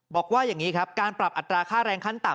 บอกว่าอย่างนี้ครับการปรับอัตราค่าแรงขั้นต่ำ